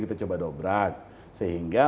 kita coba dobrak sehingga